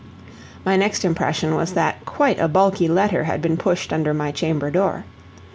My next impression was that quite a bulky letter had been pushed under my chamber door.